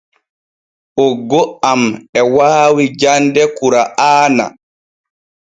Oggo am e waawi jande kura’aana.